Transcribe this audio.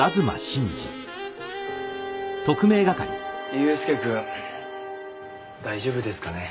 祐介くん大丈夫ですかね？